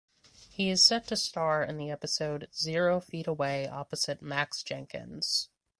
He is set to star in the episode "Zero Feet Away" opposite Max Jenkins.